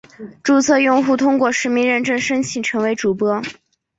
注册用户通过实名认证申请成为主播。